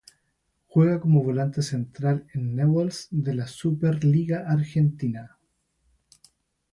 Juega como volante central en Newell's de la Superliga Argentina.